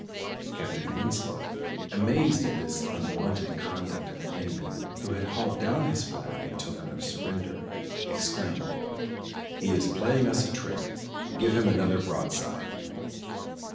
Captain Winslow, amazed at this unwonted conduct of an enemy who had hauled down his flag in token of surrender, exclaimed: "He is playing us a trick, give him another broadside."